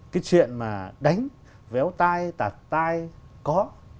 cái chuyện mà đánh véo tai tạt tai có